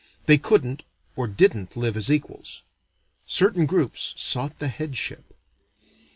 They couldn't or didn't live as equals. Certain groups sought the headship.